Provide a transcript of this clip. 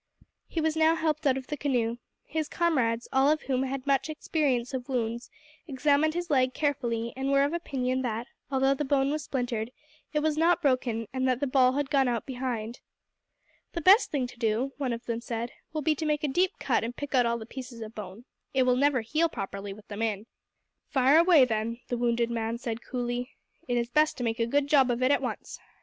He was now helped out of the canoe. His comrades, all of whom had much experience of wounds, examined his leg carefully, and were of opinion that, although the bone was splintered, it was not broken, and that the ball had gone out behind. "The best thing to do," one of them said, "will be to make a deep cut and pick out all the pieces of bone. It will never heal properly with them in." "Fire away then!" the wounded man said coolly. "It is best to make a good job of it at once.